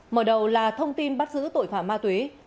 mở đầu là thông tin bắt giữ tội phạm ma túy